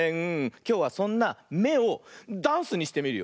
きょうはそんな「め」をダンスにしてみるよ。